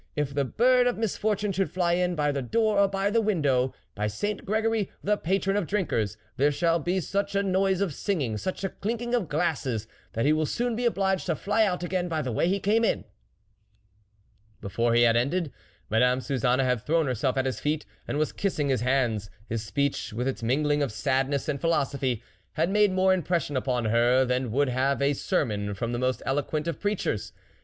if the bird of misfortune should fly in, by the door or by the win dow, by Saint Gregory, the patron of drinkers, there shall be such a noise of singing, such a clinking of glasses, that he will soon be obliged to fly out again by the way he came in !" Before he had ended, Madame Suzanne had thrown herself at his feet, and was kissing his hands. His speech, with its mingling of sadness and pnilosophy, had made more impression upon her than would have a sermon from the most elo quent of preachers.